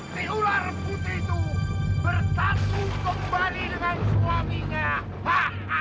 si ular putri itu bertangguh kembali dengan suaminya